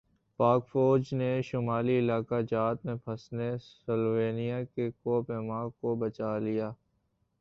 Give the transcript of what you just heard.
پاک فوج نے شمالی علاقہ جات میں پھنسے سلوینیا کے کوہ پیما کو بچالیا